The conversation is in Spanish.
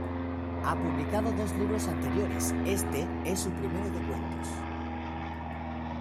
Ha publicado dos libros anteriores, este es su primero de cuentos.